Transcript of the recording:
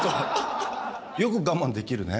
よく我慢できるね。